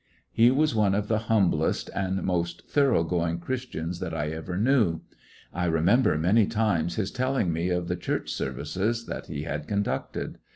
He was one of the humblest and most thor ough going Christians that I ever knew. I remember many times his telling me of the Church services that he had conducted.